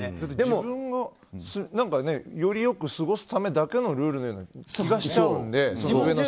自分がよりよく過ごすためだけのルールのような気がしちゃうので。